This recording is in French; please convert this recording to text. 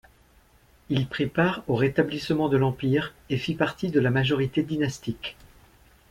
Il prit part au rétablissement de l'Empire et fit partie de la majorité dynastique.